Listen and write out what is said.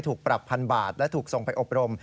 ถูกปรับพันบาทและถูกส่งไปอบรม